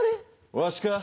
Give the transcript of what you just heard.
わしか？